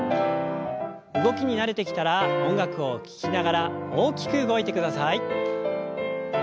動きに慣れてきたら音楽を聞きながら大きく動いてください。